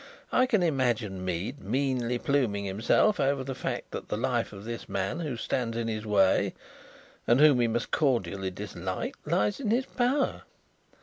I can imagine Mead meanly pluming himself over the fact that the life of this man who stands in his way, and whom he must cordially dislike, lies in his power.